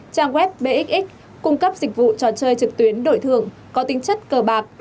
trang web bxx cung cấp dịch vụ trò chơi trực tuyến đổi thường có tính chất cờ bạc